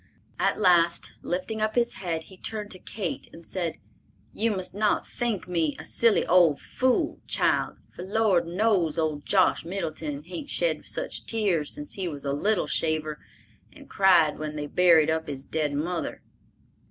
At last, lifting up his head, he turned to Kate and said, "You must not think me a silly old fool, child, for Lord knows old Josh Middleton hain't shed such tears since he was a little shaver and cried when they buried up his dead mother."